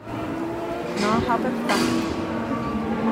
Ná habair faic faoi.